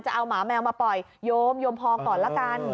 จะเอาหมาแมวมาปล่อยโยมโยมพอก่อนละกัน